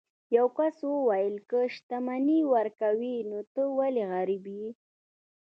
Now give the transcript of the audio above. یو کس وویل که شتمني ورکوي نو ته ولې غریب یې.